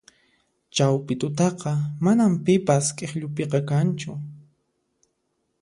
Chawpi tutataqa manan pipas k'ikllupiqa kanchu